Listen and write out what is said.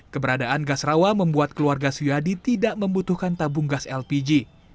keberadaan gas rawa membuat keluarga suyadi tidak membutuhkan tabung gas lpg